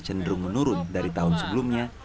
cenderung menurun dari tahun sebelumnya